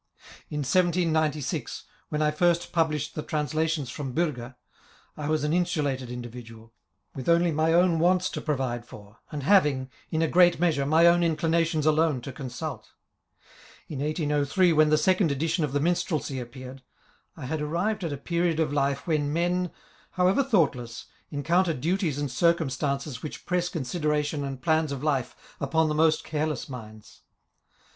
In 1796, when I first published the trans lations from Biirger, I was an insulated individual, with only my own wants to provide for, and having, in a great measure, my own inclinations alone to consult In 1803, when the second edition of the Minstrelsy appeared, I had arrived at a period of life when men, however thoughtless, encounter duties and circumstances which press consideration and plans of life upon the most careless minds.